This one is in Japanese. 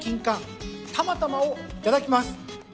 たまたまをいただきます。